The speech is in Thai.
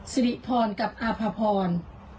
สิริพรกับอาภพร